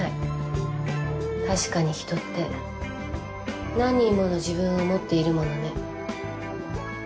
確かに人って何人もの自分を持っているものね。